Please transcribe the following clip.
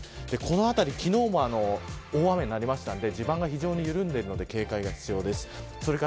この辺り、昨日も大雨になりましたので地盤が非常に緩んでいて警戒が必要です。